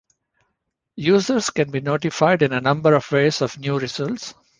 Users can be notified in a number of ways of new results.